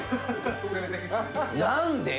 「何で？」